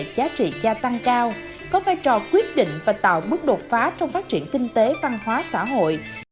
giá trị gia tăng cao có vai trò quyết định và tạo bước đột phá trong phát triển kinh tế văn hóa xã hội